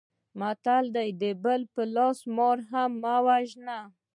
متل دی: د بل په لاس مار هم مه وژنئ.